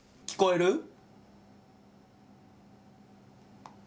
聞こえる？